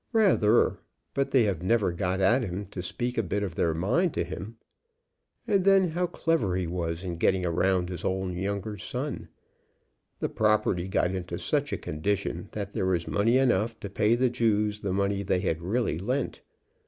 "Rather! But they have never got at him to speak a bit of their mind to him. And then how clever he was in getting round his own younger son. The property got into such a condition that there was money enough to pay the Jews the money they had really lent.